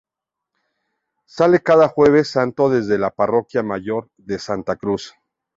Sale cada Jueves Santo desde la Parroquia Mayor de Santa Cruz.